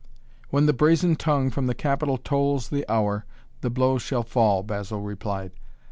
"When the brazen tongue from the Capitol tolls the hour, the blow shall fall," Basil replied.